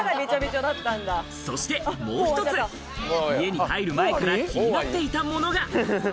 そして、もう一つ、家に入る前から気になっていたものが。